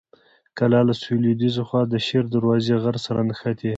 کلا له سویل لویديځې خوا د شیر دروازې غر سره نښتې.